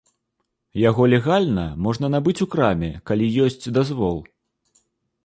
Яго легальна можна набыць у краме, калі ёсць дазвол.